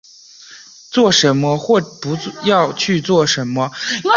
做什么或不要去做什么